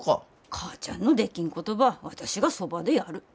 母ちゃんのできんことば私がそばでやる。